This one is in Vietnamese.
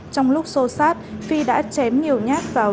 trong lúc xô sát phi đã chém nhiều nhát vào